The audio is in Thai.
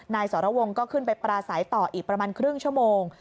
สรวงศ์ก็ขึ้นไปปราศัยต่ออีกประมาณครึ่งชั่วโมง